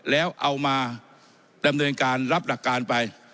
แล้วเอามาดำเนินการรับหลักการไป